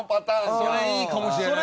それいいかもしれないですね。